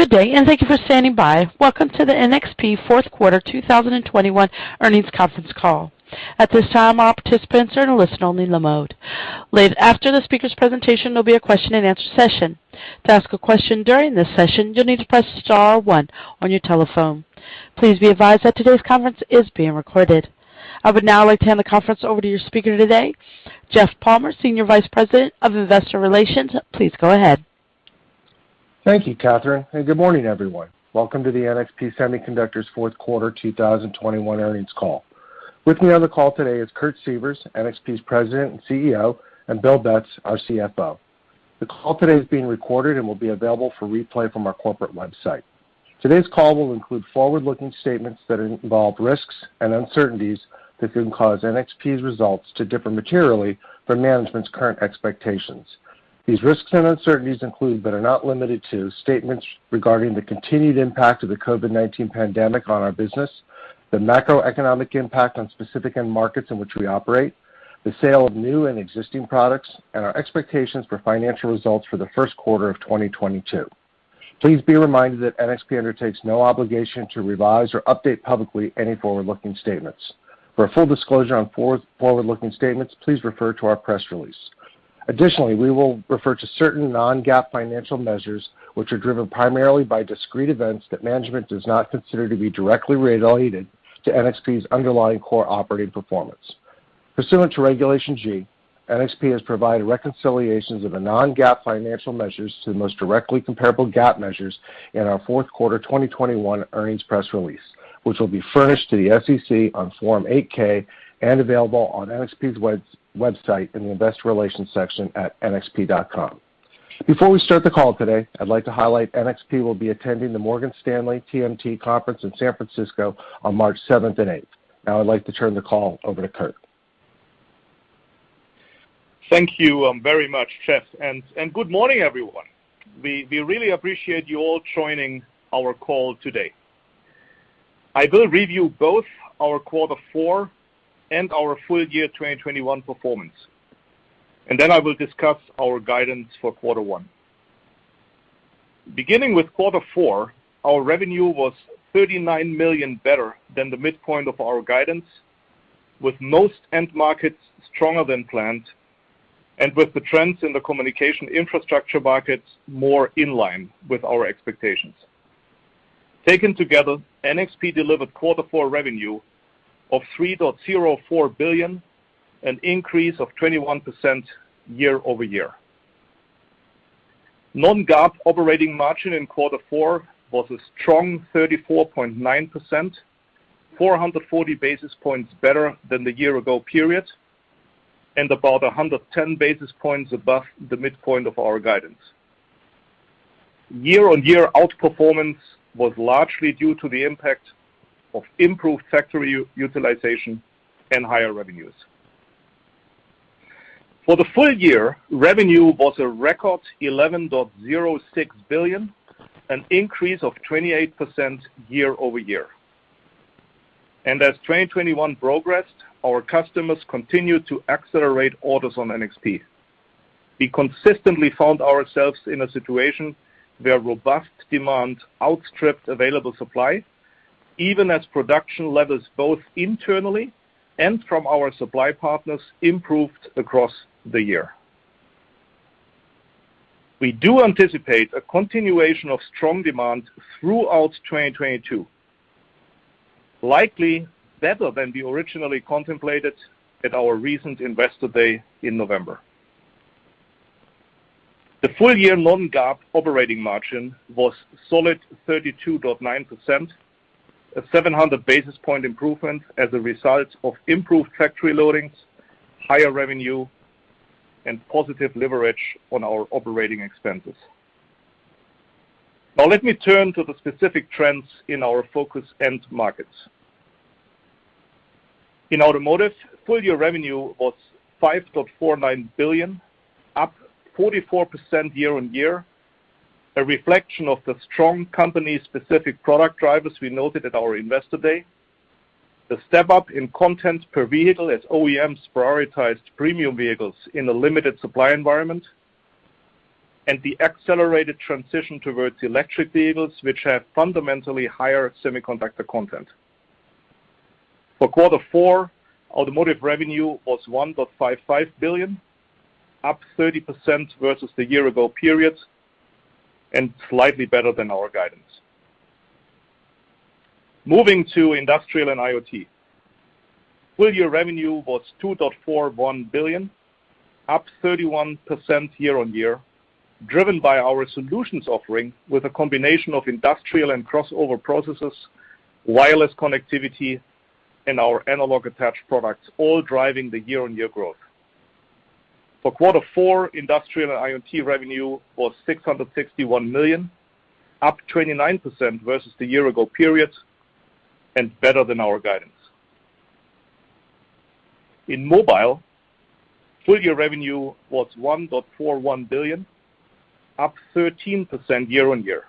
Good day, and thank you for standing by. Welcome to the NXP fourth quarter 2021 earnings conference call. At this time, all participants are in a listen only mode. Later after the speaker's presentation, there'll be a question-and-answer session. To ask a question during this session, you'll need to press star one on your telephone. Please be advised that today's conference is being recorded. I would now like to hand the conference over to your speaker today, Jeff Palmer, Senior Vice President of Investor Relations. Please go ahead. Thank you, Catherine, and good morning, everyone. Welcome to the NXP Semiconductors fourth quarter 2021 earnings call. With me on the call today is Kurt Sievers, NXP's President and CEO, and Bill Betz, our CFO. The call today is being recorded and will be available for replay from our corporate website. Today's call will include forward-looking statements that involve risks and uncertainties that can cause NXP's results to differ materially from management's current expectations. These risks and uncertainties include, but are not limited to, statements regarding the continued impact of the COVID-19 pandemic on our business, the macroeconomic impact on specific end markets in which we operate, the sale of new and existing products, and our expectations for financial results for the first quarter of 2022. Please be reminded that NXP undertakes no obligation to revise or update publicly any forward-looking statements. For a full disclosure on forward-looking statements, please refer to our press release. Additionally, we will refer to certain non-GAAP financial measures, which are driven primarily by discrete events that management does not consider to be directly related to NXP's underlying core operating performance. Pursuant to Regulation G, NXP has provided reconciliations of the non-GAAP financial measures to the most directly comparable GAAP measures in our fourth quarter 2021 earnings press release, which will be furnished to the SEC on Form 8-K and available on NXP's website in the Investor Relations section at nxp.com. Before we start the call today, I'd like to highlight NXP will be attending the Morgan Stanley TMT conference in San Francisco on March 7th and 8th. Now I'd like to turn the call over to Kurt. Thank you, very much, Jeff, and good morning, everyone. We really appreciate you all joining our call today. I will review both our quarter four and our full year 2021 performance, and then I will discuss our guidance for quarter one. Beginning with quarter four, our revenue was $39 million better than the midpoint of our guidance, with most end markets stronger than planned and with the trends in the communication infrastructure markets more in line with our expectations. Taken together, NXP delivered quarter four revenue of $3.04 billion, an increase of 21% year-over-year. Non-GAAP operating margin in quarter four was a strong 34.9%, 440 basis points better than the year ago period, and about 110 basis points above the midpoint of our guidance. Year-over-year outperformance was largely due to the impact of improved factory utilization and higher revenues. For the full year, revenue was a record $11.06 billion, an increase of 28% year-over-year. As 2021 progressed, our customers continued to accelerate orders on NXP. We consistently found ourselves in a situation where robust demand outstripped available supply, even as production levels both internally and from our supply partners improved across the year. We do anticipate a continuation of strong demand throughout 2022, likely better than we originally contemplated at our recent Investor Day in November. The full year non-GAAP operating margin was solid 32.9%, a 700 basis point improvement as a result of improved factory loadings, higher revenue, and positive leverage on our operating expenses. Now let me turn to the specific trends in our focus end markets. In automotive, full year revenue was $5.49 billion, up 44% year-on-year, a reflection of the strong company-specific product drivers we noted at our Investor Day, the step up in content per vehicle as OEMs prioritized premium vehicles in a limited supply environment, and the accelerated transition towards electric vehicles, which have fundamentally higher semiconductor content. For quarter four, automotive revenue was $1.55 billion, up 30% versus the year ago period and slightly better than our guidance. Moving to industrial and IoT, full year revenue was $2.41 billion, up 31% year-on-year, driven by our solutions offering with a combination of industrial and crossover processors, wireless connectivity, and our analog attached products all driving the year-on-year growth. For quarter four, industrial and IoT revenue was $661 million, up 29% versus the year-ago period and better than our guidance. In mobile, full year revenue was $1.41 billion, up 13% year-over-year.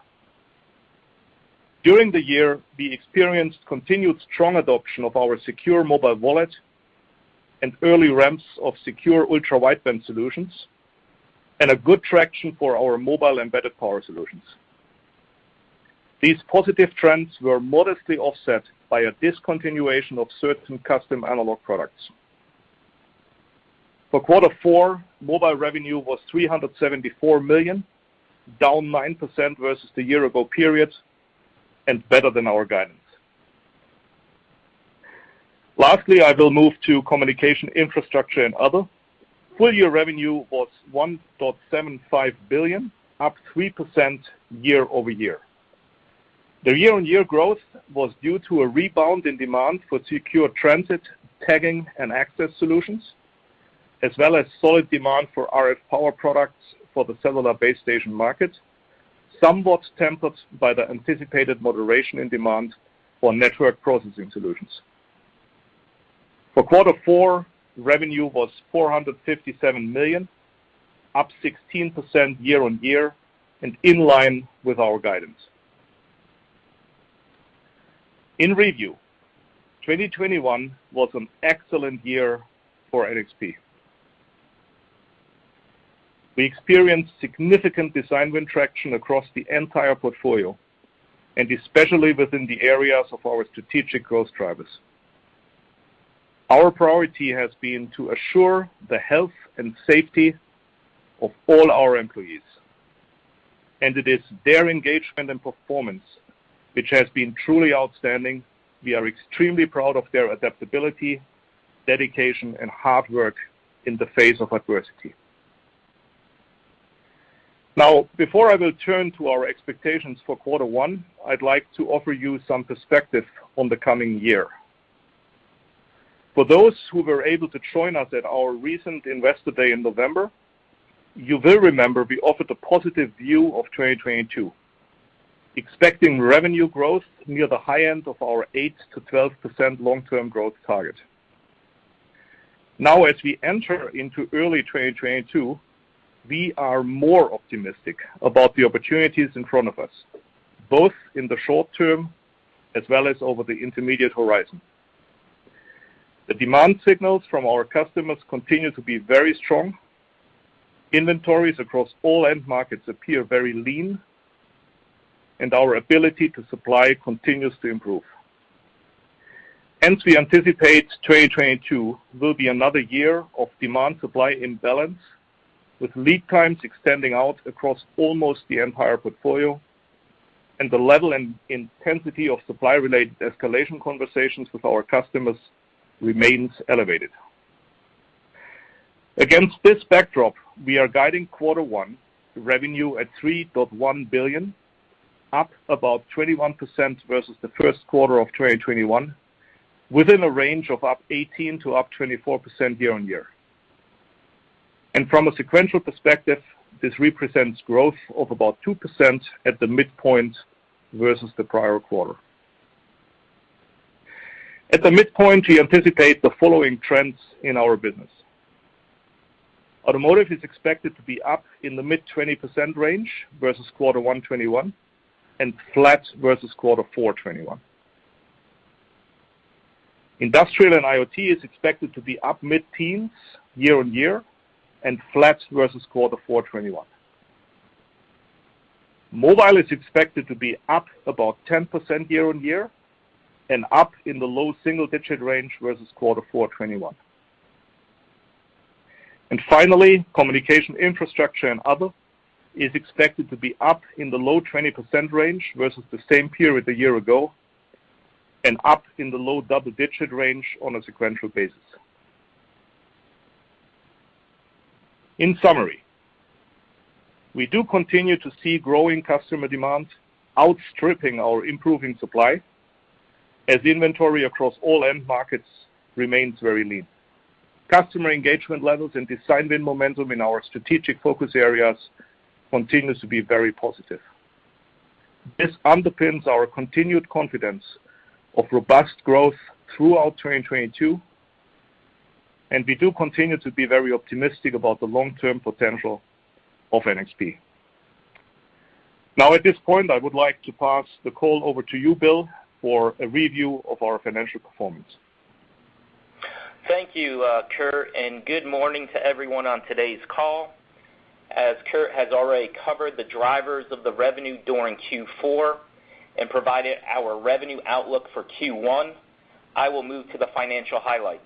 During the year, we experienced continued strong adoption of our secure mobile wallet and early ramps of secure ultra-wideband solutions, and a good traction for our mobile embedded power solutions. These positive trends were modestly offset by a discontinuation of certain custom analog products. For quarter four, mobile revenue was $374 million, down 9% versus the year-ago period, and better than our guidance. Lastly, I will move to communication infrastructure and other. Full year revenue was $1.75 billion, up 3% year-over-year. The year-on-year growth was due to a rebound in demand for secure transit, tagging, and access solutions, as well as solid demand for RF power products for the cellular base station market, somewhat tempered by the anticipated moderation in demand for network processing solutions. For quarter four, revenue was $457 million, up 16% year-on-year and in line with our guidance. In review, 2021 was an excellent year for NXP. We experienced significant design win traction across the entire portfolio, and especially within the areas of our strategic growth drivers. Our priority has been to assure the health and safety of all our employees, and it is their engagement and performance which has been truly outstanding. We are extremely proud of their adaptability, dedication, and hard work in the face of adversity. Now, before I will turn to our expectations for quarter one, I'd like to offer you some perspective on the coming year. For those who were able to join us at our recent Investor Day in November, you will remember we offered a positive view of 2022, expecting revenue growth near the high end of our 8%-12% long-term growth target. Now, as we enter into early 2022, we are more optimistic about the opportunities in front of us, both in the short term as well as over the intermediate horizon. The demand signals from our customers continue to be very strong. Inventories across all end markets appear very lean, and our ability to supply continues to improve. Hence, we anticipate 2022 will be another year of demand supply imbalance, with lead times extending out across almost the entire portfolio and the level and intensity of supply-related escalation conversations with our customers remains elevated. Against this backdrop, we are guiding quarter one revenue at $3.1 billion, up about 21% versus the first quarter of 2021, within a range of up 18%-24% year-over-year. From a sequential perspective, this represents growth of about 2% at the midpoint versus the prior quarter. At the midpoint, we anticipate the following trends in our business. Automotive is expected to be up in the mid-20% range versus quarter one 2021, and flat versus quarter four 2021. Industrial and IoT is expected to be up mid-teens year-over-year and flat versus quarter four 2021. Mobile is expected to be up about 10% year-over-year and up in the low single-digit range versus Q4 2021. Finally, communication infrastructure and other is expected to be up in the low 20% range versus the same period a year ago, and up in the low double-digit range on a sequential basis. In summary, we do continue to see growing customer demand outstripping our improving supply as inventory across all end markets remains very lean. Customer engagement levels and design win momentum in our strategic focus areas continues to be very positive. This underpins our continued confidence of robust growth throughout 2022, and we do continue to be very optimistic about the long-term potential of NXP. Now, at this point, I would like to pass the call over to you, Bill, for a review of our financial performance. Thank you, Kurt, and good morning to everyone on today's call. As Kurt has already covered the drivers of the revenue during Q4 and provided our revenue outlook for Q1, I will move to the financial highlights.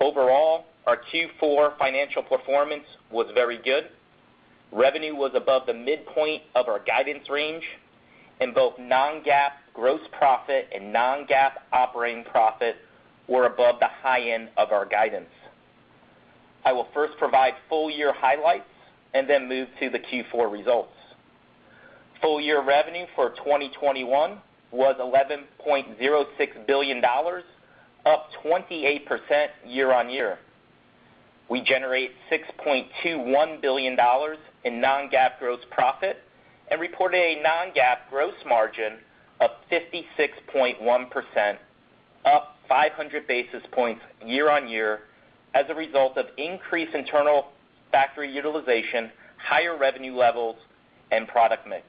Overall, our Q4 financial performance was very good. Revenue was above the midpoint of our guidance range, and both non-GAAP gross profit and non-GAAP operating profit were above the high end of our guidance. I will first provide full year highlights and then move to the Q4 results. Full year revenue for 2021 was $11.06 billion, up 28% year-on-year. We generate $6.21 billion in non-GAAP gross profit and reported a non-GAAP gross margin of 56.1%, up 500 basis points year-on-year as a result of increased internal factory utilization, higher revenue levels, and product mix.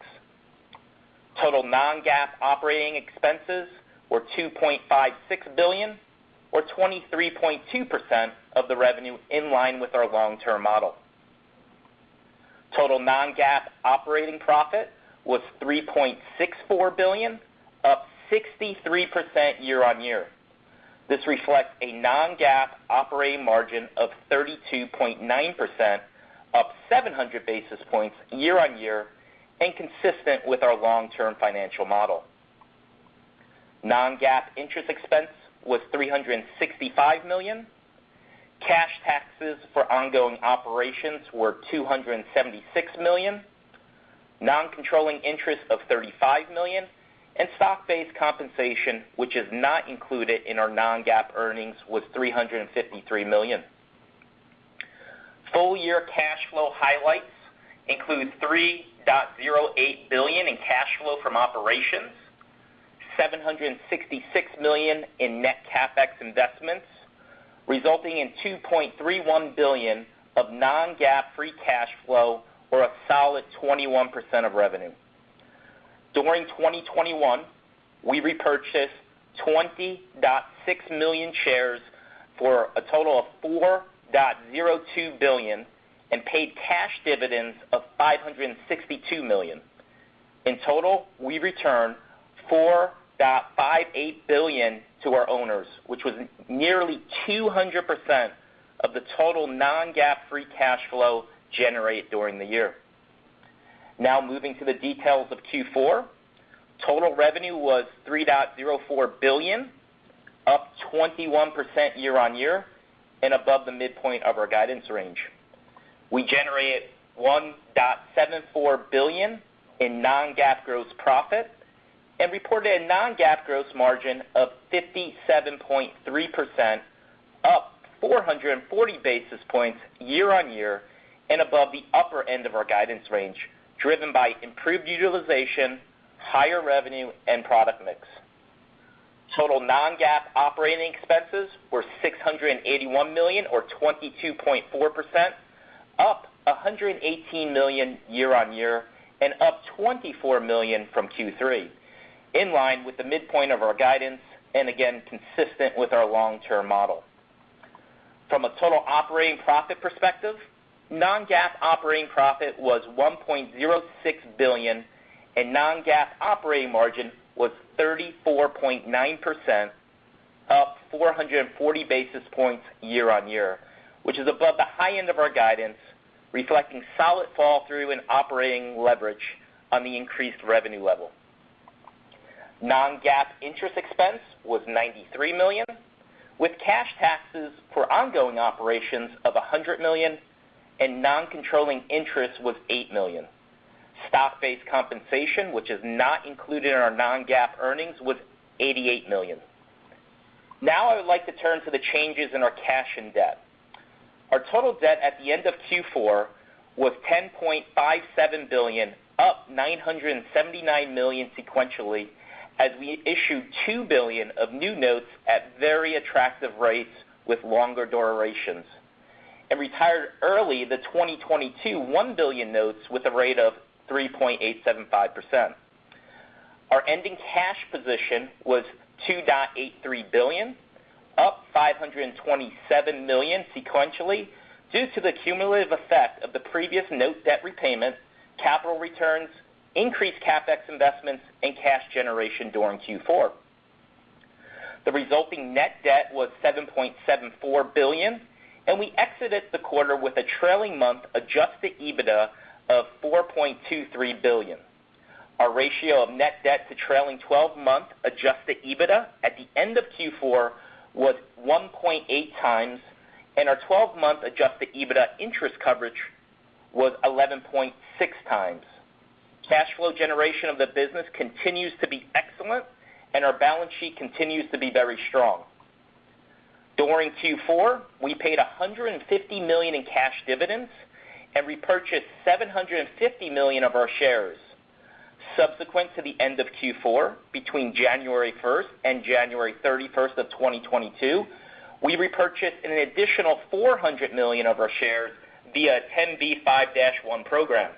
Total non-GAAP operating expenses were $2.56 billion or 23.2% of the revenue in line with our long-term model. Total non-GAAP operating profit was $3.64 billion, up 63% year-over-year. This reflects a non-GAAP operating margin of 32.9%, up 700 basis points year-over-year and consistent with our long-term financial model. Non-GAAP interest expense was $365 million. Cash taxes for ongoing operations were $276 million. Non-controlling interest of $35 million, and stock-based compensation, which is not included in our non-GAAP earnings, was $353 million. Full year cash flow highlights include $3.08 billion in cash flow from operations, $766 million in net CapEx investments, resulting in $2.31 billion of non-GAAP free cash flow or a solid 21% of revenue. During 2021, we repurchased 20.6 million shares for a total of $4.02 billion and paid cash dividends of $562 million. In total, we returned $4.58 billion to our owners, which was nearly 200% of the total non-GAAP free cash flow generated during the year. Now moving to the details of Q4. Total revenue was $3.04 billion, up 21% year-on-year and above the midpoint of our guidance range. We generated $1.74 billion in non-GAAP gross profit and reported a non-GAAP gross margin of 57.3%, up 440 basis points year-on-year and above the upper end of our guidance range, driven by improved utilization, higher revenue, and product mix. Total non-GAAP operating expenses were $681 million or 22.4%, up $118 million year-on-year and up $24 million from Q3, in line with the midpoint of our guidance and again consistent with our long-term model. From a total operating profit perspective, non-GAAP operating profit was $1.06 billion and non-GAAP operating margin was 34.9%, up 440 basis points year-on-year, which is above the high end of our guidance, reflecting solid flow-through and operating leverage on the increased revenue level. non-GAAP interest expense was $93 million, with cash taxes for ongoing operations of $100 million and non-controlling interest was $8 million. Stock-based compensation, which is not included in our non-GAAP earnings, was $88 million. Now I would like to turn to the changes in our cash and debt. Our total debt at the end of Q4 was $10.57 billion, up $979 million sequentially as we issued $2 billion of new notes at very attractive rates with longer durations and retired early the 2022 $1 billion notes with a rate of 3.875%. Our ending cash position was $2.83 billion, up $527 million sequentially due to the cumulative effect of the previous note debt repayments, capital returns, increased CapEx investments, and cash generation during Q4. The resulting net debt was $7.74 billion, and we exited the quarter with a trailing month adjusted EBITDA of $4.23 billion. Our ratio of net debt to trailing 12-month adjusted EBITDA at the end of Q4 was 1.8x, and our twelve-month adjusted EBITDA interest coverage was 11.6x. Cash flow generation of the business continues to be excellent, and our balance sheet continues to be very strong. During Q4, we paid $150 million in cash dividends and repurchased $750 million of our shares. Subsequent to the end of Q4, between January 1st and January 31st of 2022, we repurchased an additional $400 million of our shares via 10b5-1 program.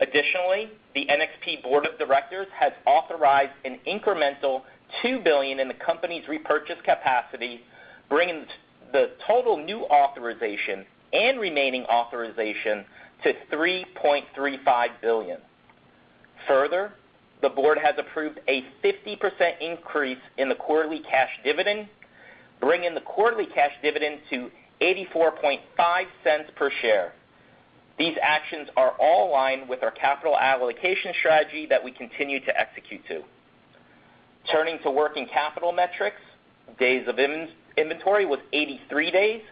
Additionally, the NXP board of directors has authorized an incremental $2 billion in the company's repurchase capacity, bringing the total new authorization and remaining authorization to $3.35 billion. Further, the board has approved a 50% increase in the quarterly cash dividend, bringing the quarterly cash dividend to $0.845 per share. These actions are all in line with our capital allocation strategy that we continue to execute to. Turning to working capital metrics, days of inventory was 83 days,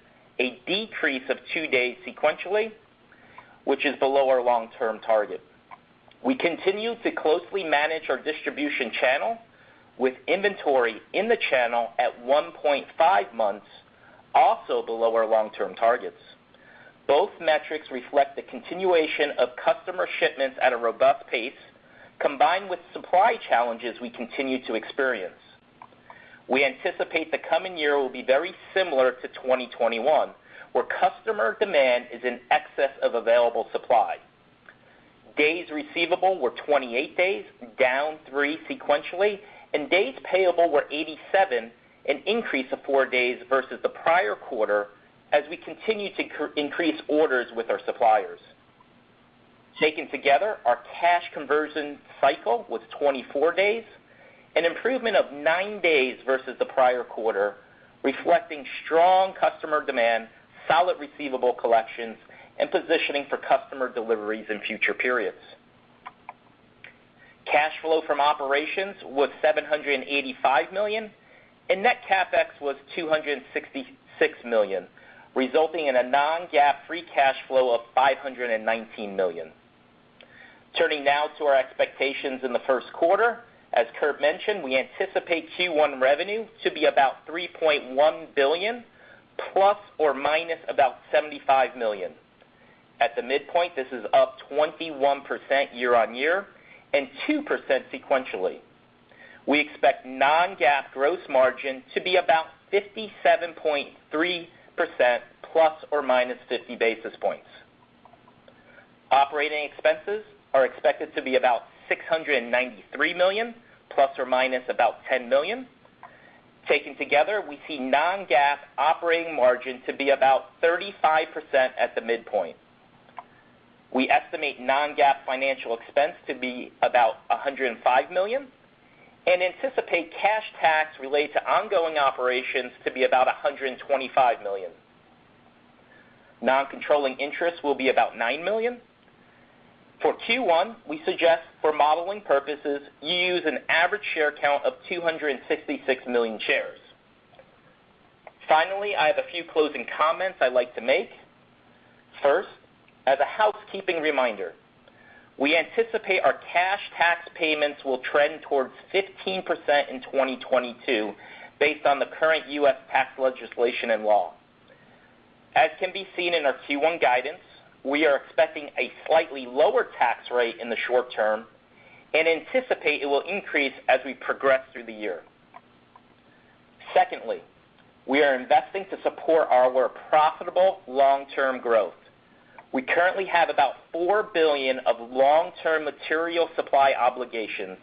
a decrease of two days sequentially, which is below our long-term target. We continue to closely manage our distribution channel with inventory in the channel at 1.5 months, also below our long-term targets. Both metrics reflect the continuation of customer shipments at a robust pace, combined with supply challenges we continue to experience. We anticipate the coming year will be very similar to 2021, where customer demand is in excess of available supply. Days receivable were 28 days, down three sequentially, and days payable were 87, an increase of four days versus the prior quarter as we continue to increase orders with our suppliers. Taken together, our cash conversion cycle was 24 days, an improvement of nine days versus the prior quarter, reflecting strong customer demand, solid receivable collections, and positioning for customer deliveries in future periods. Cash flow from operations was $785 million, and net CapEx was $266 million, resulting in a non-GAAP free cash flow of $519 million. Turning now to our expectations in the first quarter. As Kurt mentioned, we anticipate Q1 revenue to be about $3.1 billion ± $75 million. At the midpoint, this is up 21% year-over-year and 2% sequentially. We expect non-GAAP gross margin to be about 57.3% ±50 basis points. Operating expenses are expected to be about $693 million ±$10 million. Taken together, we see non-GAAP operating margin to be about 35% at the midpoint. We estimate non-GAAP financial expense to be about $105 million and anticipate cash tax related to ongoing operations to be about $125 million. Non-controlling interest will be about $9 million. For Q1, we suggest, for modeling purposes, you use an average share count of 266 million shares. Finally, I have a few closing comments I'd like to make. First, as a housekeeping reminder, we anticipate our cash tax payments will trend towards 15% in 2022 based on the current U.S. tax legislation and law. As can be seen in our Q1 guidance, we are expecting a slightly lower tax rate in the short term and anticipate it will increase as we progress through the year. Secondly, we are investing to support our profitable long-term growth. We currently have about $4 billion of long-term material supply obligations,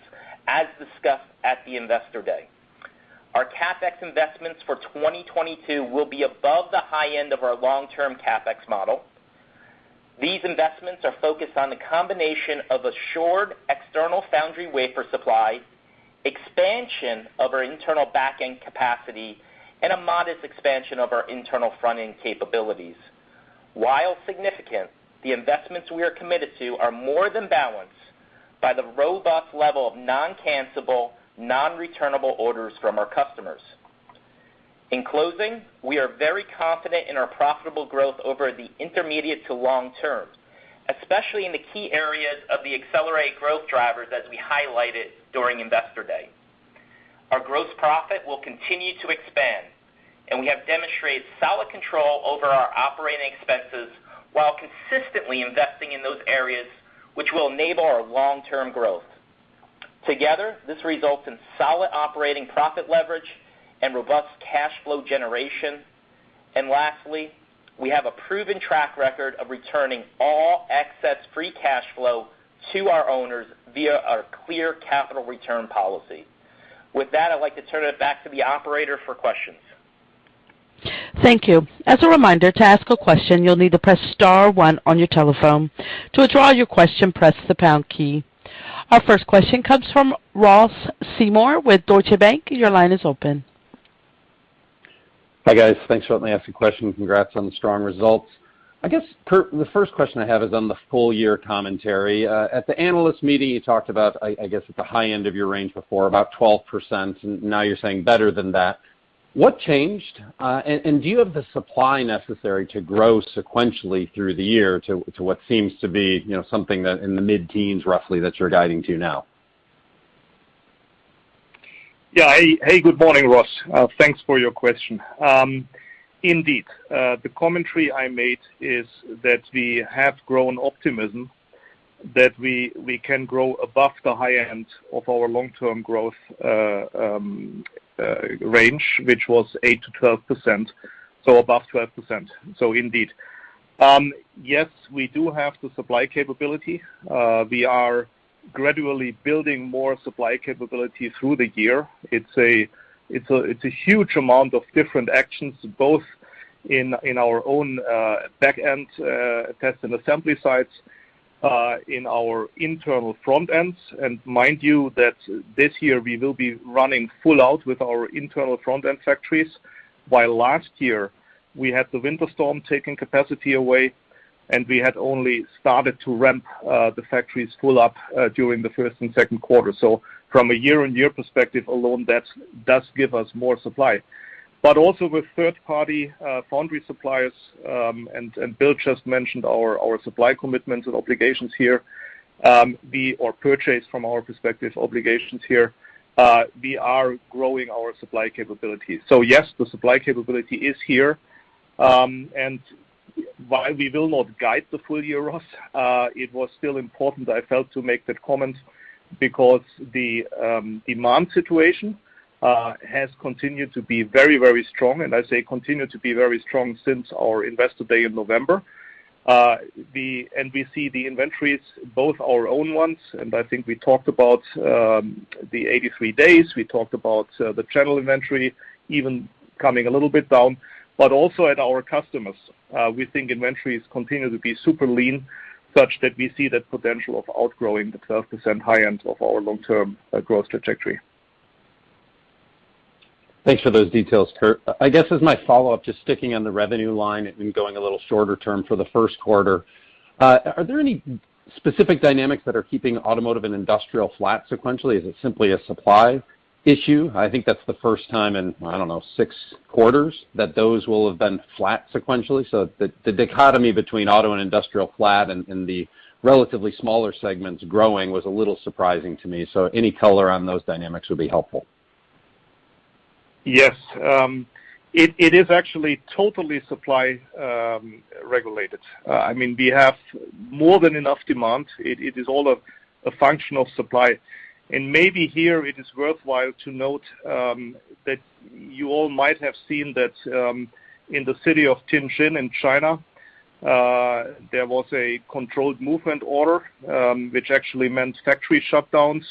as discussed at the Investor Day. Our CapEx investments for 2022 will be above the high end of our long-term CapEx model. These investments are focused on the combination of assured external foundry wafer supply, expansion of our internal backend capacity, and a modest expansion of our internal frontend capabilities. While significant, the investments we are committed to are more than balanced by the robust level of non-cancellable, non-returnable orders from our customers. In closing, we are very confident in our profitable growth over the intermediate to long term, especially in the key areas of the Accelerated Growth Drivers as we highlighted during Investor Day. Our gross profit will continue to expand, and we have demonstrated solid control over our operating expenses while consistently investing in those areas which will enable our long-term growth. Together, this results in solid operating profit leverage and robust cash flow generation. Lastly, we have a proven track record of returning all excess free cash flow to our owners via our clear capital return policy. With that, I'd like to turn it back to the operator for questions. Thank you. As a reminder, to ask a question, you'll need to press star one on your telephone. To withdraw your question, press the pound key. Our first question comes from Ross Seymore with Deutsche Bank. Your line is open. Hi, guys. Thanks for letting me ask a question. Congrats on the strong results. I guess, Kurt, the first question I have is on the full year commentary. At the analyst meeting, you talked about I guess at the high end of your range before, about 12%, and now you're saying better than that. What changed? And do you have the supply necessary to grow sequentially through the year to what seems to be, you know, something in the mid-teens, roughly, that you're guiding to now? Yeah. Hey, good morning, Ross. Thanks for your question. Indeed, the commentary I made is that we have growing optimism that we can grow above the high end of our long-term growth range, which was 8%-12%, so above 12%. So indeed. Yes, we do have the supply capability. We are gradually building more supply capability through the year. It's a huge amount of different actions, both in our own back-end test and assembly sites, in our internal front-ends. Mind you that this year we will be running full out with our internal front-end factories, while last year we had the winter storm taking capacity away, and we had only started to ramp the factories full up during the first and second quarter. From a year-on-year perspective alone, that gives us more supply. Also with third-party foundry suppliers, and Bill just mentioned our supply commitments and obligations here. We have purchase obligations from our perspective here, we are growing our supply capabilities. Yes, the supply capability is here. And while we will not guide the full year, Ross, it was still important I felt to make that comment because the demand situation has continued to be very, very strong, and I'd say continued to be very strong since our Investor Day in November. We see the inventories, both our own ones, and I think we talked about the 83 days, we talked about the channel inventory even coming a little bit down, but also at our customers. We think inventories continue to be super lean, such that we see that potential of outgrowing the 12% high end of our long-term growth trajectory. Thanks for those details, Kurt. I guess as my follow-up, just sticking on the revenue line and going a little shorter term for the first quarter. Are there any specific dynamics that are keeping automotive and industrial flat sequentially? Is it simply a supply issue? I think that's the first time in, I don't know, six quarters that those will have been flat sequentially. The dichotomy between auto and industrial flat and the relatively smaller segments growing was a little surprising to me. Any color on those dynamics would be helpful. Yes. It is actually totally supply regulated. I mean, we have more than enough demand. It is all a function of supply. Maybe here it is worthwhile to note that you all might have seen that in the city of Tianjin in China there was a controlled movement order which actually meant factory shutdowns.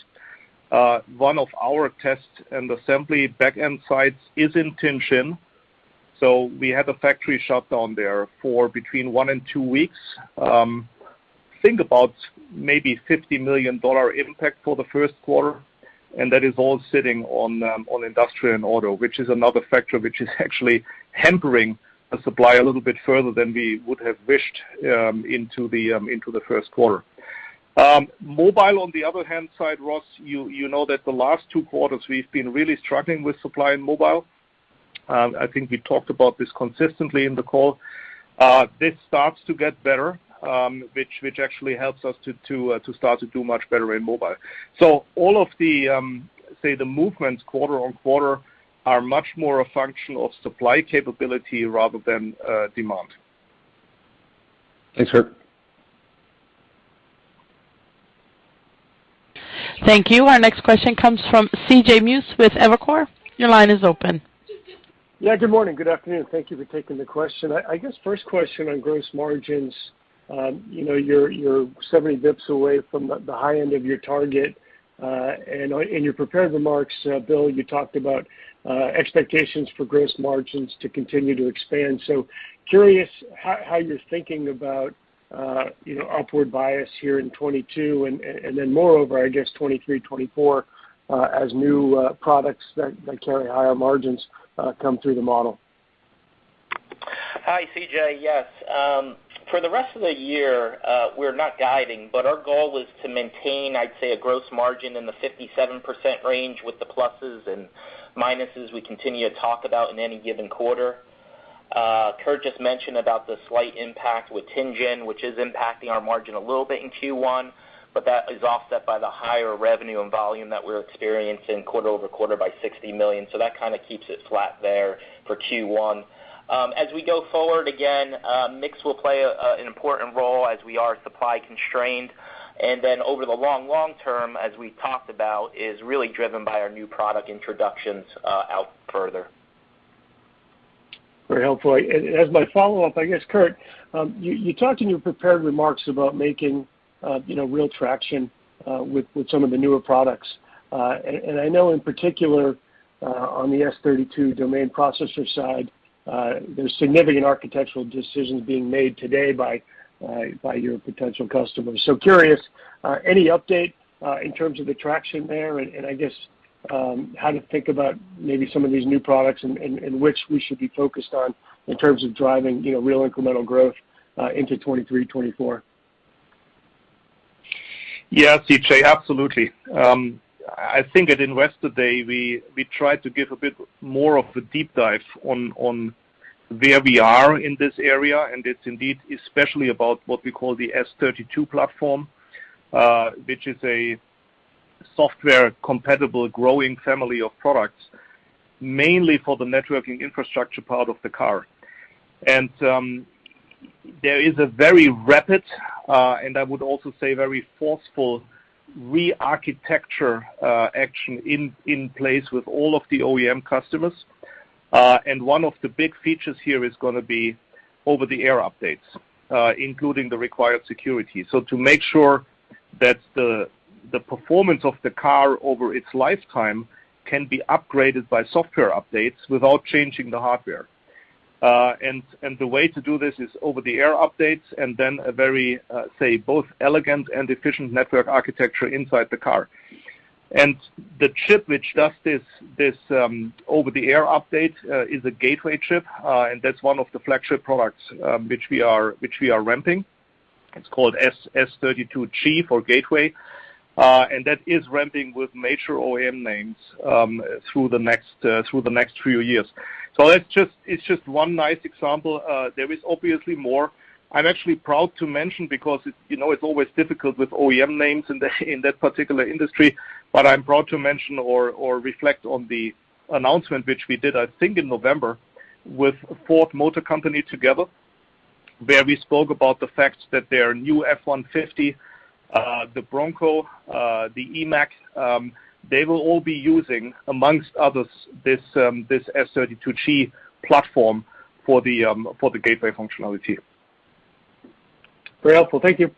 One of our test and assembly back-end sites is in Tianjin, so we had a factory shutdown there for between one and two weeks. Think about maybe $50 million impact for the first quarter, and that is all sitting on industrial and auto, which is another factor which is actually hampering the supply a little bit further than we would have wished into the first quarter. Mobile on the other hand side, Ross, you know that the last two quarters we've been really struggling with supply in mobile. I think we talked about this consistently in the call. This starts to get better, which actually helps us to start to do much better in mobile. All of the, say the movements quarter-over-quarter are much more a function of supply capability rather than demand. Thanks, Kurt. Thank you. Our next question comes from CJ Muse with Evercore. Your line is open. Yeah, good morning. Good afternoon. Thank you for taking the question. I guess first question on gross margins. You know, you're 70 bps away from the high end of your target. In your prepared remarks, Bill, you talked about expectations for gross margins to continue to expand. Curious how you're thinking about, you know, upward bias here in 2022 and then moreover, I guess 2023, 2024, as new products that carry higher margins come through the model. Hi, C.J. Yes. For the rest of the year, we're not guiding, but our goal is to maintain, I'd say, a gross margin in the 57% range with the pluses and minuses we continue to talk about in any given quarter. Kurt just mentioned about the slight impact with Tianjin, which is impacting our margin a little bit in Q1, but that is offset by the higher revenue and volume that we're experiencing quarter-over-quarter by $60 million. So that kinda keeps it flat there for Q1. As we go forward, again, mix will play an important role as we are supply constrained. Over the long, long term, as we talked about, is really driven by our new product introductions out further. Very helpful. As my follow-up, I guess, Kurt, you talked in your prepared remarks about making you know real traction with some of the newer products. I know in particular on the S32 domain processor side there's significant architectural decisions being made today by your potential customers. Curious any update in terms of the traction there and I guess how to think about maybe some of these new products and which we should be focused on in terms of driving you know real incremental growth into 2023, 2024. Yeah. CJ, absolutely. I think at Investor Day, we tried to give a bit more of the deep dive on where we are in this area, and it's indeed especially about what we call the S32 platform, which is a software compatible growing family of products, mainly for the networking infrastructure part of the car. There is a very rapid, and I would also say very forceful re-architecture, action in place with all of the OEM customers. And one of the big features here is gonna be over-the-air updates, including the required security. To make sure that the performance of the car over its lifetime can be upgraded by software updates without changing the hardware. The way to do this is over-the-air updates and then a very, say, both elegant and efficient network architecture inside the car. The chip which does this, over-the-air update, is a gateway chip, and that's one of the flagship products which we are ramping. It's called S32G for gateway. That is ramping with major OEM names through the next few years. So that's just one nice example. There is obviously more. I'm actually proud to mention because it's, you know, it's always difficult with OEM names in that particular industry. I'm proud to mention or reflect on the announcement which we did, I think, in November with Ford Motor Company together, where we spoke about the fact that their new F-150, the Bronco, the Mustang Mach-E, they will all be using, amongst others, this S32G platform for the gateway functionality. Very helpful. Thank you.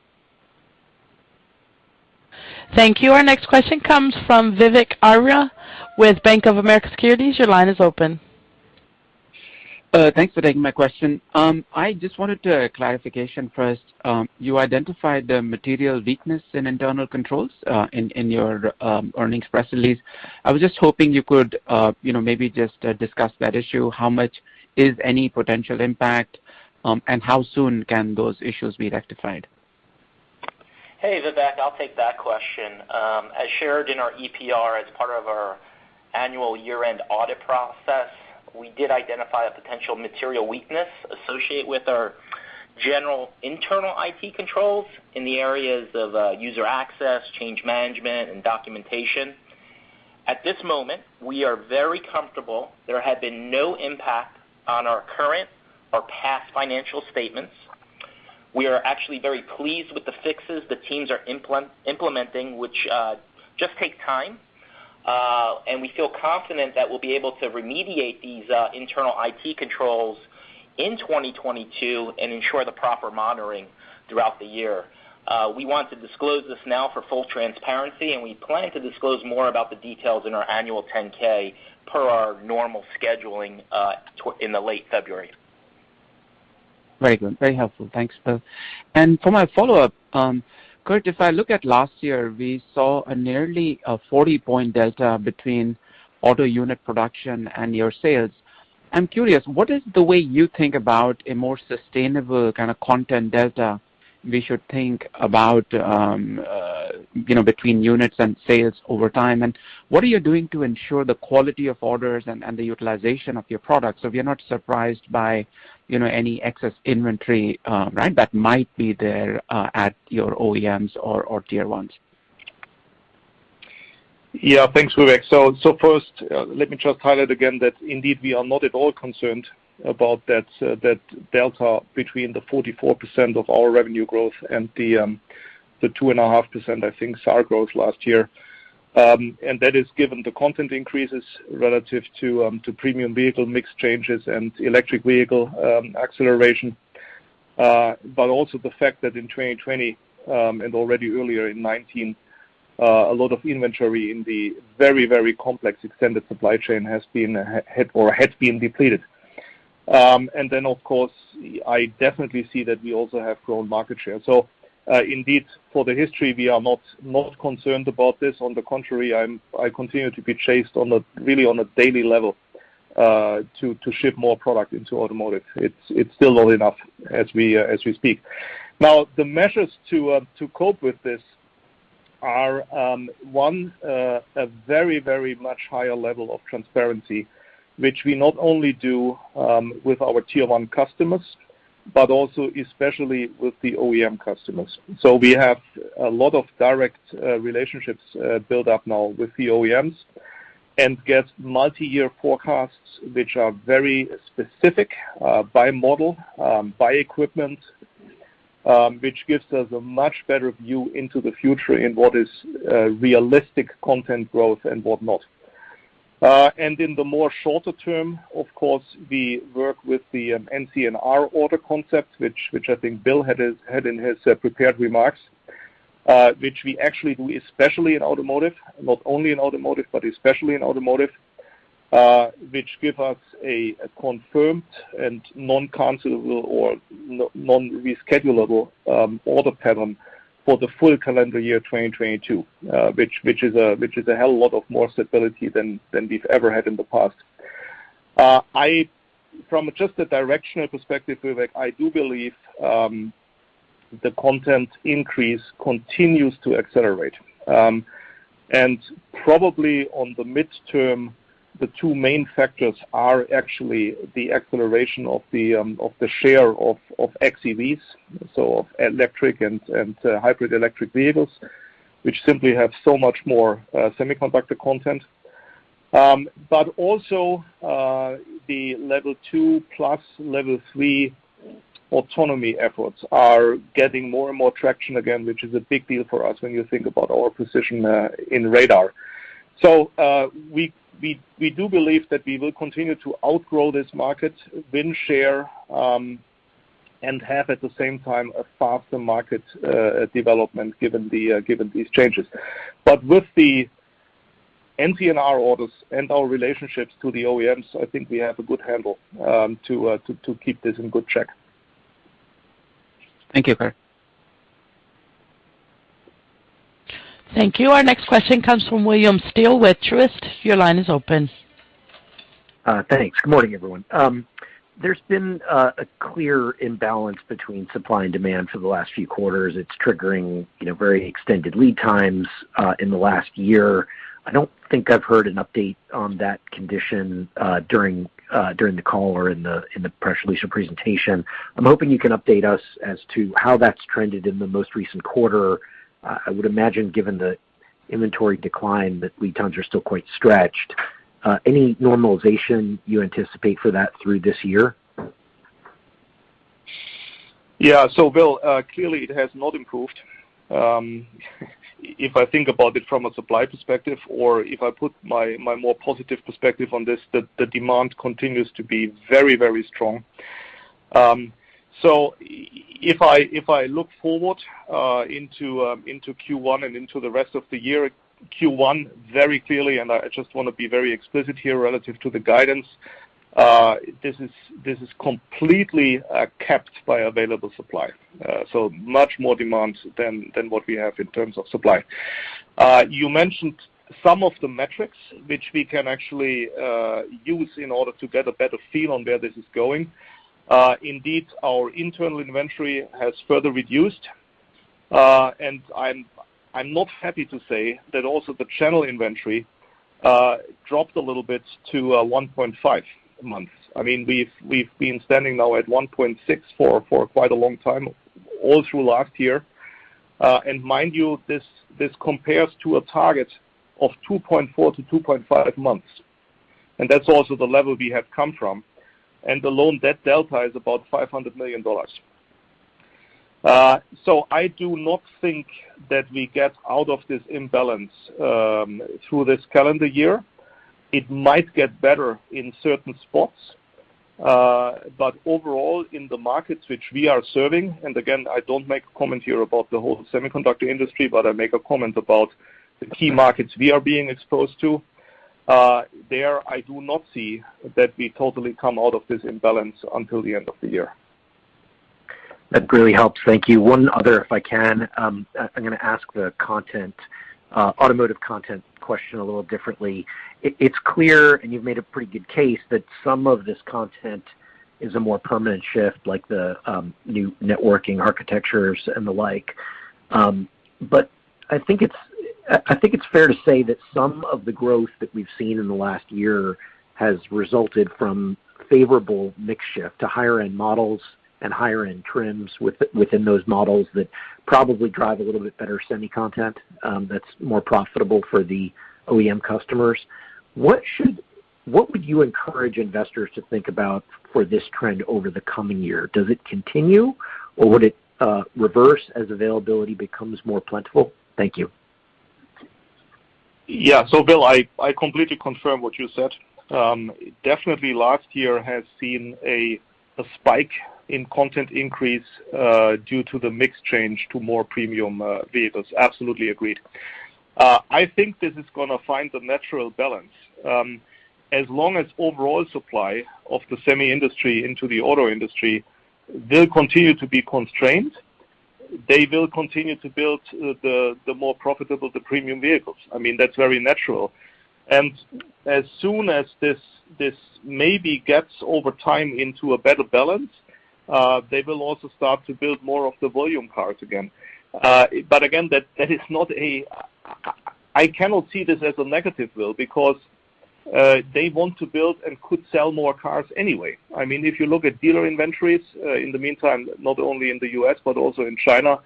Thank you. Our next question comes from Vivek Arya with Bank of America Securities. Your line is open. Thanks for taking my question. I just wanted clarification first. You identified the material weakness in internal controls in your earnings press release. I was just hoping you could you know, maybe just discuss that issue. How much is any potential impact, and how soon can those issues be rectified? Hey, Vivek. I'll take that question. As shared in our EPR, as part of our annual year-end audit process, we did identify a potential material weakness associated with our general internal IT controls in the areas of user access, change management and documentation. At this moment, we are very comfortable there have been no impact on our current or past financial statements. We are actually very pleased with the fixes the teams are implementing, which just take time. We feel confident that we'll be able to remediate these internal IT controls in 2022 and ensure the proper monitoring throughout the year. We want to disclose this now for full transparency, and we plan to disclose more about the details in our annual 10-K per our normal scheduling in the late February. Very good. Very helpful. Thanks, Bill. For my follow-up, Kurt, if I look at last year, we saw a nearly 40-point delta between auto unit production and your sales. I'm curious, what is the way you think about a more sustainable kind of content delta we should think about between units and sales over time? What are you doing to ensure the quality of orders and the utilization of your products so we are not surprised by any excess inventory that might be there at your OEMs or Tier 1s? Yeah. Thanks, Vivek. First, let me just highlight again that indeed we are not at all concerned about that delta between the 44% of our revenue growth and the 2.5%, I think, SAR growth last year. That is given the content increases relative to premium vehicle mix changes and electric vehicle acceleration, but also the fact that in 2020 and already earlier in 2019, a lot of inventory in the very complex extended supply chain has been or had been depleted. Then of course, I definitely see that we also have grown market share. Indeed, for the history, we are not concerned about this. On the contrary, I continue to be chased on a really on a daily level to ship more product into automotive. It's still not enough as we speak. Now, the measures to cope with this are one, a very much higher level of transparency, which we not only do with our Tier 1 customers, but also especially with the OEM customers. So, we have a lot of direct relationships built up now with the OEMs and get multi-year forecasts, which are very specific by model, by equipment, which gives us a much better view into the future in what is realistic content growth and whatnot. In the shorter term, of course, we work with the NCNR order concept, which I think Bill had in his prepared remarks, which we actually do, especially in automotive, not only in automotive, but especially in automotive, which gives us a confirmed and non-cancelable or non-reschedulable order pattern for the full calendar year 2022, which is a hell of a lot more stability than we've ever had in the past. From just a directional perspective, Vivek, I do believe the content increase continues to accelerate. Probably on the midterm, the two main factors are actually the acceleration of the share of xEVs, so electric and hybrid electric vehicles, which simply have so much more semiconductor content. also, the level two plus level three autonomy efforts are getting more and more traction again, which is a big deal for us when you think about our position in radar. We do believe that we will continue to outgrow this market, win share, and have at the same time a faster market development given these changes. With the NCNR orders and our relationships to the OEMs, I think we have a good handle to keep this in good check. Thank you, Kurt. Thank you. Our next question comes from William Stein with Truist. Your line is open. Thanks. Good morning, everyone. There's been a clear imbalance between supply and demand for the last few quarters. It's triggering, you know, very extended lead times in the last year. I don't think I've heard an update on that condition during the call or in the press release or presentation. I'm hoping you can update us as to how that's trended in the most recent quarter. I would imagine, given the inventory decline, that lead times are still quite stretched. Any normalization you anticipate for that through this year? Yeah. Bill, clearly it has not improved. If I think about it from a supply perspective, or if I put my more positive perspective on this, the demand continues to be very, very strong. If I look forward into Q1 and into the rest of the year, Q1 very clearly, and I just want to be very explicit here relative to the guidance, this is completely capped by available supply, so much more demand than what we have in terms of supply. You mentioned some of the metrics which we can actually use in order to get a better feel on where this is going. Indeed, our internal inventory has further reduced. I'm not happy to say that also the channel inventory dropped a little bit to 1.5 months. I mean, we've been standing now at 1.6 for quite a long time, all through last year. Mind you, this compares to a target of 2.4-2.5 months, and that's also the level we have come from. The loan debt delta is about $500 million. I do not think that we get out of this imbalance through this calendar year. It might get better in certain spots. Overall, in the markets which we are serving, and again, I don't make comments here about the whole semiconductor industry, but I make a comment about the key markets we are being exposed to. There, I do not see that we totally come out of this imbalance until the end of the year. That really helps. Thank you. One other, if I can. I'm gonna ask the automotive content question a little differently. It's clear, and you've made a pretty good case that some of this content is a more permanent shift, like the new networking architectures and the like. But I think it's fair to say that some of the growth that we've seen in the last year has resulted from favorable mix shift to higher-end models and higher-end trims within those models that probably drive a little bit better semi content, that's more profitable for the OEM customers. What would you encourage investors to think about for this trend over the coming year? Does it continue, or would it reverse as availability becomes more plentiful? Thank you. Yeah. So Bill, I completely confirm what you said. Definitely last year has seen a spike in content increase due to the mix change to more premium vehicles. Absolutely agreed. I think this is gonna find the natural balance. As long as overall supply of the semi industry into the auto industry will continue to be constrained, they will continue to build the more profitable, the premium vehicles. I mean, that's very natural. As soon as this maybe gets over time into a better balance, they will also start to build more of the volume cars again. But again, that is not a... I cannot see this as a negative, Bill, because they want to build and could sell more cars anyway. I mean, if you look at dealer inventories in the meantime, not only in the U.S., but also in China,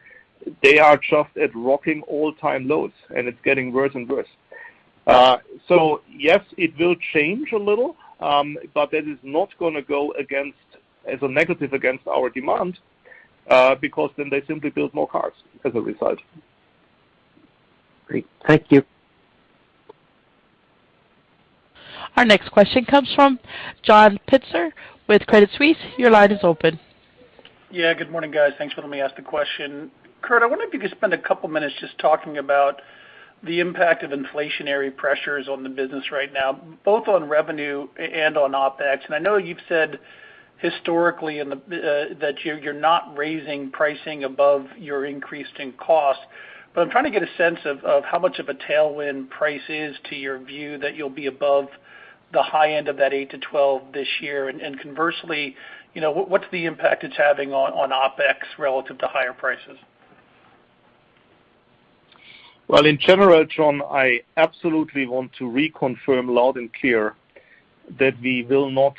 they are just at rock-bottom all-time lows, and it's getting worse and worse. Yes, it will change a little, but that is not gonna go against as a negative against our demand, because then they simply build more cars as a result. Great. Thank you. Our next question comes from John Pitzer with Credit Suisse. Your line is open. Yeah, good morning, guys. Thanks for letting me ask the question. Kurt, I wonder if you could spend a couple minutes just talking about the impact of inflationary pressures on the business right now, both on revenue and on OpEx. I know you've said historically that you're not raising pricing above your increase in cost, but I'm trying to get a sense of how much of a tailwind price is to your view that you'll be above the high end of that eight-12 this year. Conversely, you know, what's the impact it's having on OpEx relative to higher prices? Well, in general, John, I absolutely want to reconfirm loud and clear that we will not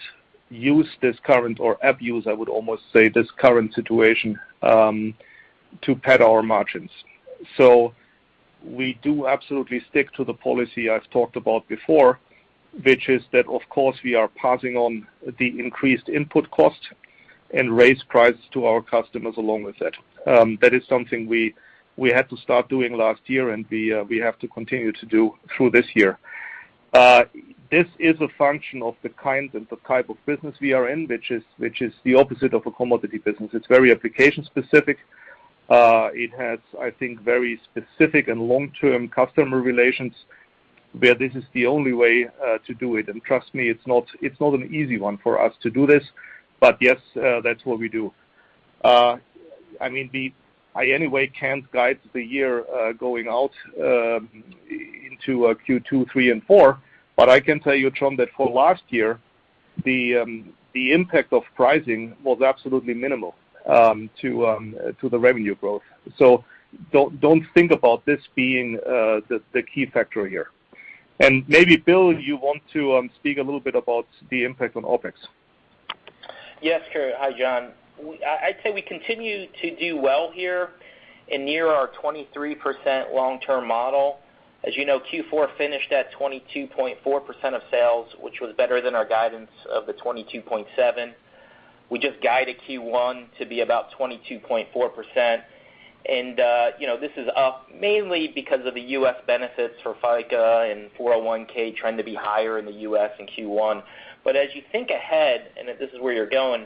use this current, or abuse, I would almost say, this current situation, to pad our margins. We do absolutely stick to the policy I've talked about before, which is that, of course, we are passing on the increased input cost and raise prices to our customers along with that. That is something we had to start doing last year, and we have to continue to do through this year. This is a function of the kind and the type of business we are in, which is the opposite of a commodity business. It's very application-specific. It has, I think, very specific and long-term customer relations where this is the only way to do it. Trust me, it's not an easy one for us to do this. Yes, that's what we do. I mean, I anyway can't guide the year going out into Q2, Q3 and Q4, but I can tell you, John, that for last year, the impact of pricing was absolutely minimal to the revenue growth. Don't think about this being the key factor here. Maybe Bill, you want to speak a little bit about the impact on OpEx. Yes, Kurt. Hi, John. I'd say we continue to do well here and near our 23% long-term model. As you know, Q4 finished at 22.4% of sales, which was better than our guidance of the 22.7%. We just guided Q1 to be about 22.4%. You know, this is up mainly because of the U.S. benefits for FICA and 401(k) trying to be higher in the U.S. in Q1. As you think ahead, and if this is where you're going,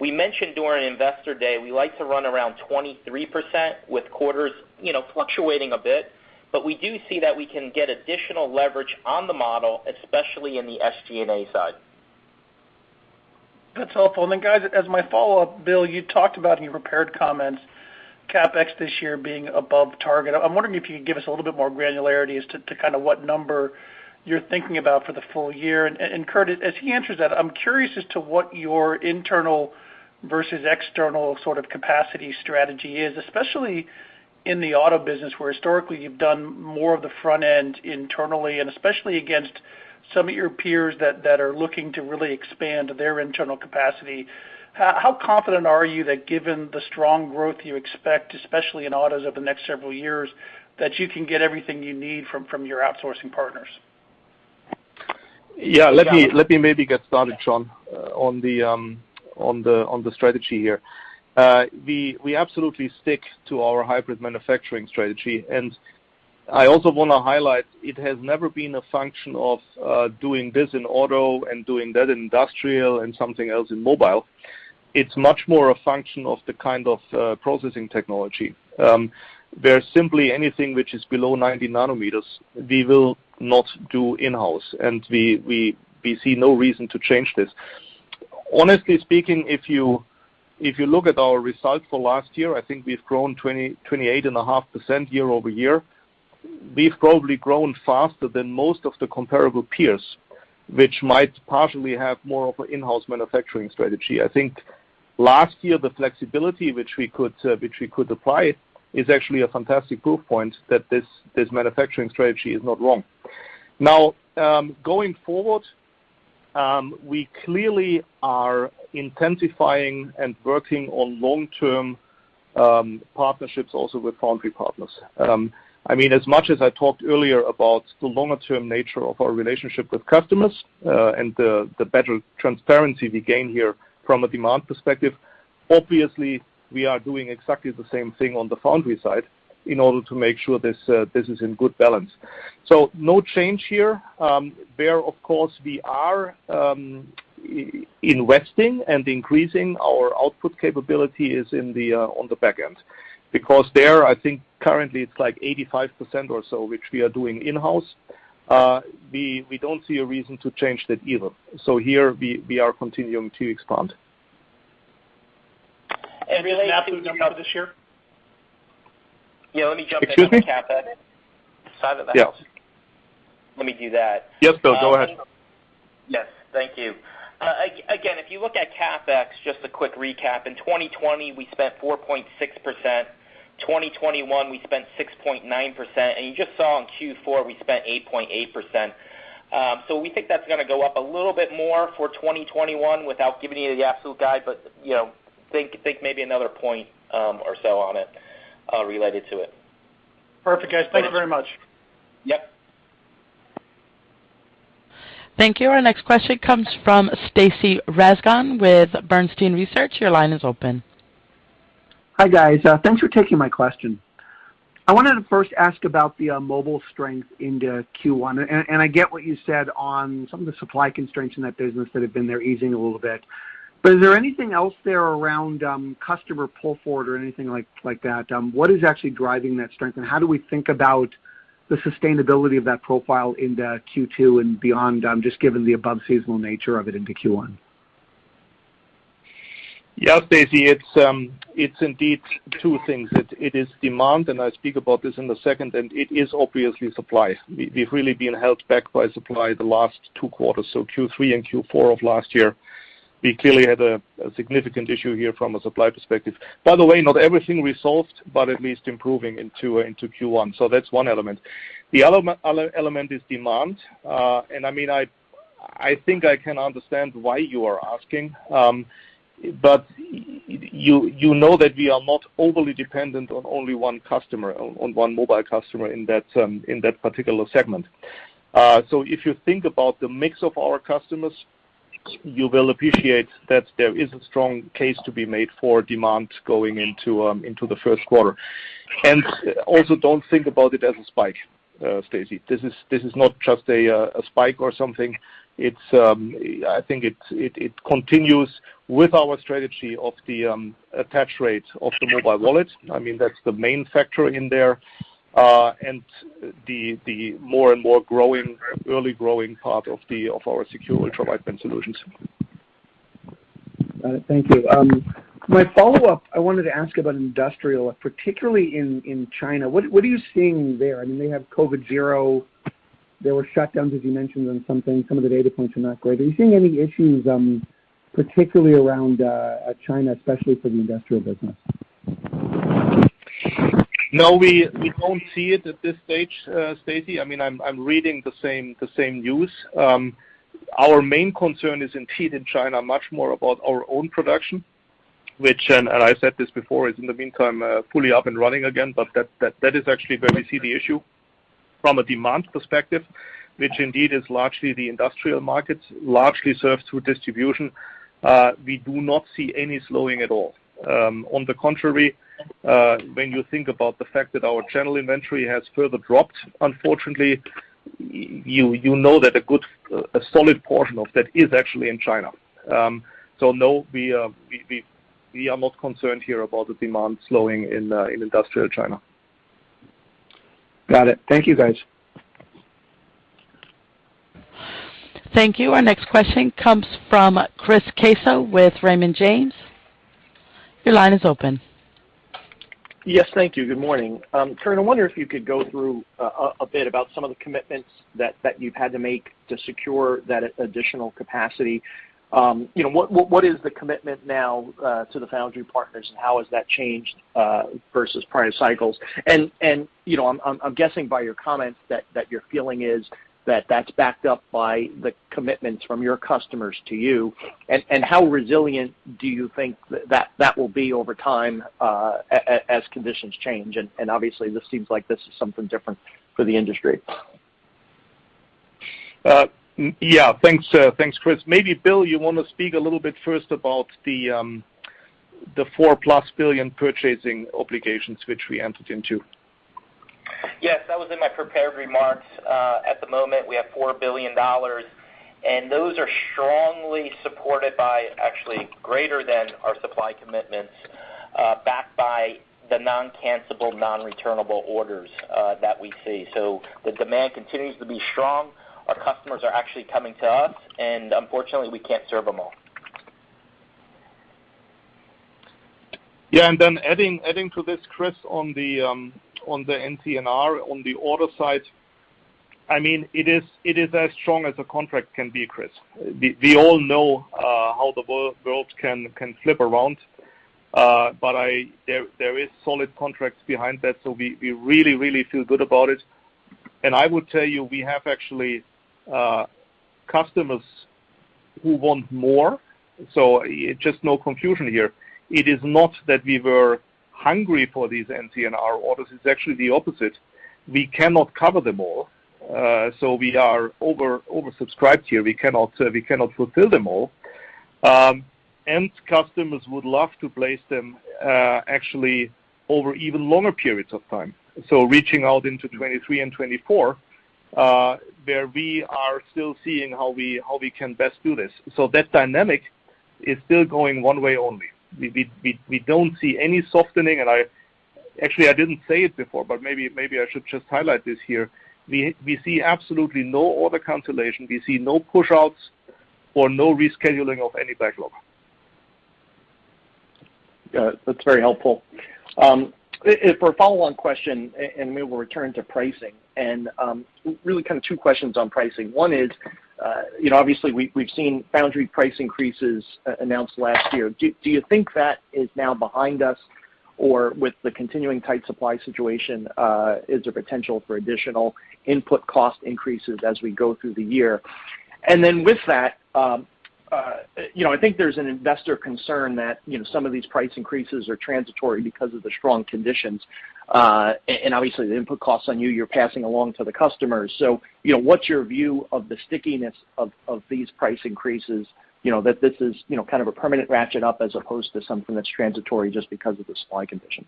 we mentioned during Investor Day, we like to run around 23% with quarters, you know, fluctuating a bit. We do see that we can get additional leverage on the model, especially in the SG&A side. That's helpful. Guys, as my follow-up, Bill, you talked about in your prepared comments, CapEx this year being above target. I'm wondering if you could give us a little bit more granularity as to kind of what number you're thinking about for the full year. Kurt, as he answers that, I'm curious as to what your internal versus external sort of capacity strategy is, especially in the auto business, where historically you've done more of the front end internally, and especially against some of your peers that are looking to really expand their internal capacity. How confident are you that given the strong growth you expect, especially in autos over the next several years, that you can get everything you need from your outsourcing partners? Yeah. Let me maybe get started, John, on the strategy here. We absolutely stick to our hybrid manufacturing strategy. I also wanna highlight it has never been a function of doing this in auto and doing that in industrial and something else in mobile. It's much more a function of the kind of processing technology. There's simply anything which is below 90 nm, we will not do in-house, and we see no reason to change this. Honestly speaking, if you look at our results for last year, I think we've grown 28.5% year-over-year. We've probably grown faster than most of the comparable peers, which might partially have more of an in-house manufacturing strategy. I think last year, the flexibility which we could apply is actually a fantastic proof point that this manufacturing strategy is not wrong. Now, going forward, we clearly are intensifying and working on long-term partnerships also with foundry partners. I mean, as much as I talked earlier about the longer term nature of our relationship with customers, and the better transparency we gain here from a demand perspective, obviously we are doing exactly the same thing on the foundry side in order to make sure this is in good balance. No change here. Where of course we are investing and increasing our output capability is in the on the back end. Because there, I think currently it's like 85% or so which we are doing in-house. We don't see a reason to change that either. Here we are continuing to expand. Relating to. Yeah, let me jump in on the CapEx. Excuse me? Sorry about that. Yes. Let me do that. Yes, Bill, go ahead. Yes. Thank you. Again, if you look at CapEx, just a quick recap. In 2020, we spent 4.6%. In 2021, we spent 6.9%. You just saw in Q4, we spent 8.8%. We think that's gonna go up a little bit more for 2021 without giving you the absolute guide, but you know, think maybe another point or so on it related to it. Perfect, guys. Thank you very much. Yep. Thank you. Our next question comes from Stacy Rasgon with Bernstein Research. Your line is open. Hi, guys. Thanks for taking my question. I wanted to first ask about the mobile strength into Q1. I get what you said on some of the supply constraints in that business that have been there easing a little bit. But is there anything else there around customer pull forward or anything like that? What is actually driving that strength, and how do we think about the sustainability of that profile into Q2 and beyond, just given the above seasonal nature of it into Q1? Yeah, Stacy, it's indeed two things. It is demand, and I speak about this in a second, and it is obviously supply. We've really been held back by supply the last two quarters. Q3 and Q4 of last year, we clearly had a significant issue here from a supply perspective. By the way, not everything resolved, but at least improving into Q1. That's one element. The element is demand. I mean, I think I can understand why you are asking, but you know that we are not overly dependent on only one customer, on one mobile customer in that particular segment. If you think about the mix of our customers, you will appreciate that there is a strong case to be made for demand going into the first quarter. Also don't think about it as a spike, Stacy. This is not just a spike or something. It's, I think it continues with our strategy of the attach rate of the mobile wallet. I mean, that's the main factor in there. The more and more growing, early growing part of our secure ultra-wideband solutions. Got it. Thank you. My follow-up, I wanted to ask about industrial, particularly in China. What are you seeing there? I mean, they have COVID zero. There were shutdowns, as you mentioned, on something. Some of the data points are not great. Are you seeing any issues, particularly around China, especially for the industrial business? No, we don't see it at this stage, Stacy. I mean, I'm reading the same news. Our main concern is indeed in China, much more about our own production, which I said this before, it's in the meantime fully up and running again. That is actually where we see the issue from a demand perspective, which indeed is largely the industrial markets largely served through distribution. We do not see any slowing at all. On the contrary, when you think about the fact that our channel inventory has further dropped, unfortunately, you know that a good solid portion of that is actually in China. So no, we are not concerned here about the demand slowing in industrial China. Got it. Thank you, guys. Thank you. Our next question comes from Chris Caso with Raymond James. Your line is open. Yes, thank you. Good morning. Kurt, I wonder if you could go through a bit about some of the commitments that you've had to make to secure that additional capacity. You know, what is the commitment now to the foundry partners and how has that changed versus prior cycles? You know, I'm guessing by your comments that your feeling is that that's backed up by the commitments from your customers to you. How resilient do you think that that will be over time as conditions change? Obviously this seems like this is something different for the industry. Yeah, thanks, Chris. Maybe, Bill, you wanna speak a little bit first about the $4 billion+ purchasing obligations which we entered into. Yes, that was in my prepared remarks. At the moment, we have $4 billion, and those are strongly supported by actually greater than our supply commitments, backed by the non-cancelable, non-returnable orders that we see. The demand continues to be strong. Our customers are actually coming to us, and unfortunately, we can't serve them all. Yeah, adding to this, Chris, on the NCNR, on the order side, I mean, it is as strong as a contract can be, Chris. We all know how the world can flip around. But there is solid contracts behind that, so we really feel good about it. I would tell you, we have actually customers who want more. Just no confusion here. It is not that we were hungry for these NCNR orders. It's actually the opposite. We cannot cover them all. We are oversubscribed here. We cannot fulfill them all. Customers would love to place them actually over even longer periods of time. Reaching out into 2023 and 2024, where we are still seeing how we can best do this. That dynamic is still going one way only. We don't see any softening. I actually didn't say it before, but maybe I should just highlight this here. We see absolutely no order cancellation. We see no pushouts or no rescheduling of any backlog. Got it. That's very helpful. For a follow-on question, and maybe we'll return to pricing. Really kind of two questions on pricing. One is, you know, obviously we've seen foundry price increases announced last year. Do you think that is now behind us? With the continuing tight supply situation, is there potential for additional input cost increases as we go through the year? With that, you know, I think there's an investor concern that, you know, some of these price increases are transitory because of the strong conditions. Obviously the input costs and you're passing along to the customers. You know, what's your view of the stickiness of these price increases? You know, that this is, you know, kind of a permanent ratchet up as opposed to something that's transitory just because of the supply conditions.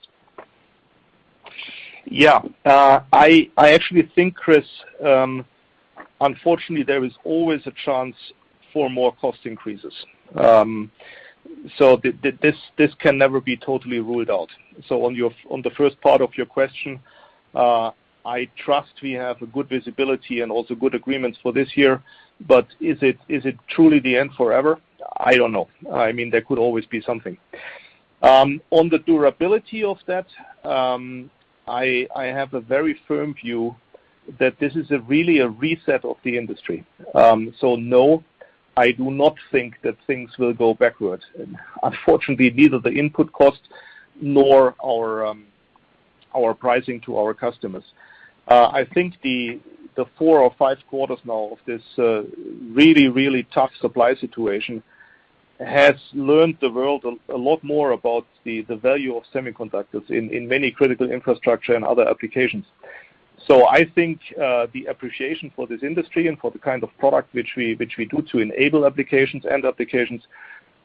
Yeah, I actually think, Chris, unfortunately, there is always a chance for more cost increases. This can never be totally ruled out. On the first part of your question, I trust we have good visibility and also good agreements for this year. Is it truly the end forever? I don't know. I mean, there could always be something. On the durability of that, I have a very firm view that this is really a reset of the industry. No, I do not think that things will go backwards. Unfortunately, neither the input costs nor our pricing to our customers. I think the four or five quarters now of this really tough supply situation has taught the world a lot more about the value of semiconductors in many critical infrastructure and other applications. I think the appreciation for this industry and for the kind of product which we do to enable applications, end applications,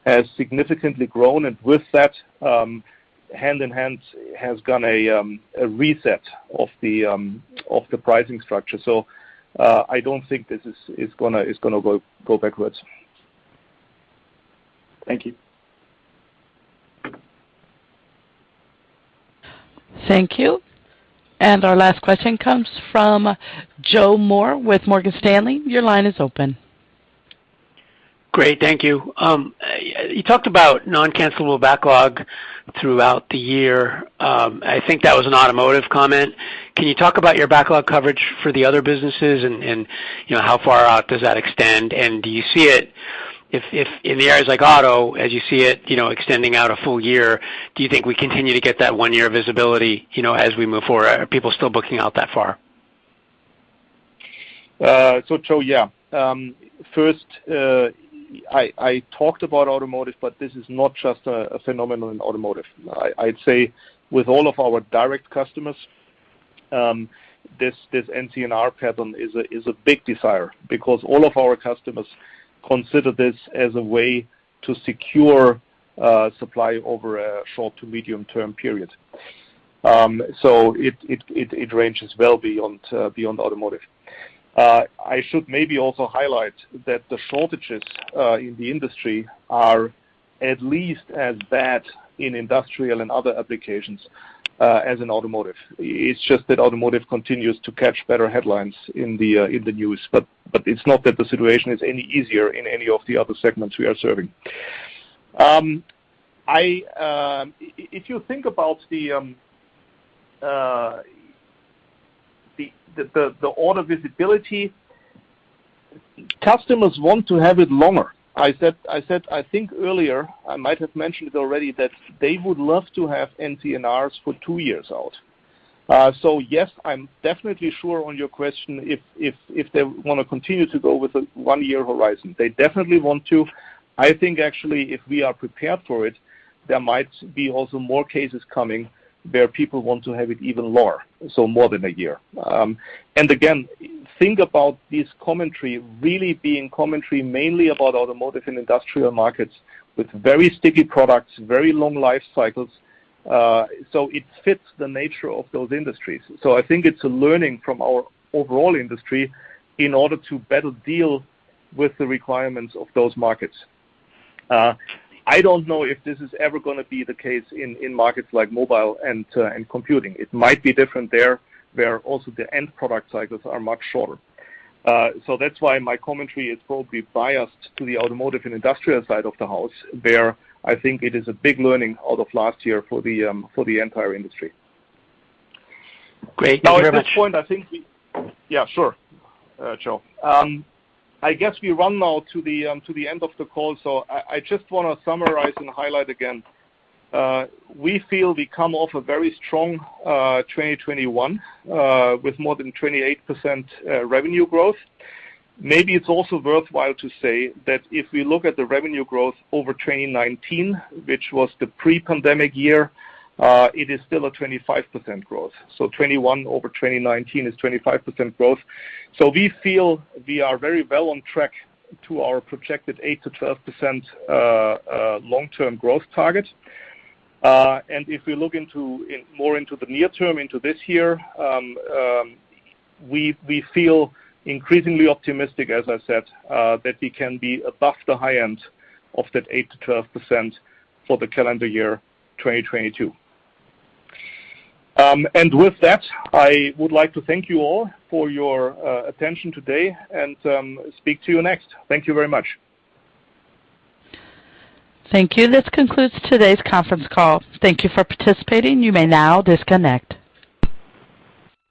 has significantly grown. With that, hand in hand has gone a reset of the pricing structure. I don't think this is gonna go backwards. Thank you. Thank you. Our last question comes from Joe Moore with Morgan Stanley. Your line is open. Great. Thank you. You talked about non-cancelable backlog throughout the year. I think that was an automotive comment. Can you talk about your backlog coverage for the other businesses and, you know, how far out does that extend? Do you see it, if in the areas like auto, as you see it, you know, extending out a full year? Do you think we continue to get that one-year visibility, you know, as we move forward? Are people still booking out that far? Joe, yeah. First, I talked about automotive, but this is not just a phenomenon in automotive. I'd say with all of our direct customers, this NCNR pattern is a big desire because all of our customers consider this as a way to secure supply over a short to medium-term period. It ranges well beyond automotive. I should maybe also highlight that the shortages in the industry are at least as bad in industrial and other applications as in automotive. It's just that automotive continues to catch better headlines in the news, but it's not that the situation is any easier in any of the other segments we are serving. If you think about the order visibility, customers want to have it longer. I said, I think earlier, I might have mentioned it already that they would love to have NCNRs for two years out. Yes, I'm definitely sure on your question if they wanna continue to go with a one-year horizon. They definitely want to. I think actually if we are prepared for it, there might be also more cases coming where people want to have it even lower, so more than a year. Again, think about this commentary really being commentary mainly about automotive and industrial markets with very sticky products, very long life cycles. It fits the nature of those industries. I think it's a learning from our overall industry in order to better deal with the requirements of those markets. I don't know if this is ever gonna be the case in markets like mobile and computing. It might be different there, where also the end product cycles are much shorter. That's why my commentary is probably biased to the automotive and industrial side of the house, where I think it is a big learning out of last year for the entire industry. Great. Thank you very much. Now, at this point, I think. Yeah, sure, Joe. I guess we run now to the end of the call, so I just wanna summarize and highlight again. We feel we come off a very strong 2021 with more than 28% revenue growth. Maybe it's also worthwhile to say that if we look at the revenue growth over 2019, which was the pre-pandemic year, it is still a 25% growth. 2021 over 2019 is 25% growth. We feel we are very well on track to our projected 8%-12% long-term growth target. If we look more into the near term, into this year, we feel increasingly optimistic, as I said, that we can be above the high end of that 8%-12% for the calendar year 2022. With that, I would like to thank you all for your attention today and speak to you next. Thank you very much. Thank you. This concludes today's conference call. Thank you for participating. You may now disconnect.